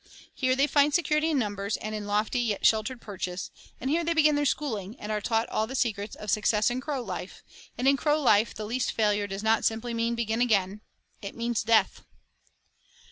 Here they find security in numbers and in lofty yet sheltered perches, and here they begin their schooling and are taught all the secrets of success in crow life, and in crow life the least failure does not simply mean begin again. It means death.